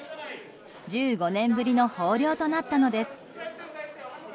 １５年ぶりの豊漁となったのです。